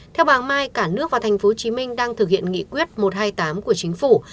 theo bà mai cả nước và tp hcm đang thực hiện nghị quyết một trăm hai mươi tám của chính phủ